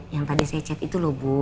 yang tadi saya chat itu loh bu